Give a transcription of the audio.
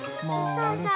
そうそう。